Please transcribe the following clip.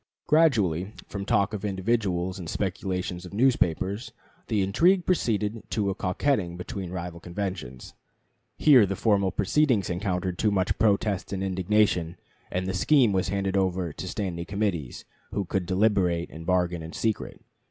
Gradually, from talk of individuals and speculations of newspapers, the intrigue proceeded to a coquetting between rival conventions. Here the formal proceedings encountered too much protest and indignation, and the scheme was handed over to standing committees, who could deliberate and bargain in secret.